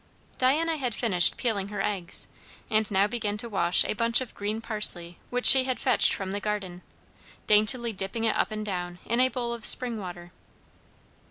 Diana had finished peeling her eggs, and now began to wash a bunch of green parsley which she had fetched from the garden, daintily dipping it up and down in a bowl of spring water.